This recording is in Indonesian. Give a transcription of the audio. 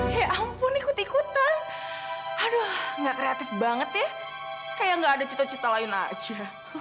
hei ampun ikut ikutan aduh gak kreatif banget ya kayak gak ada cita cita lain aja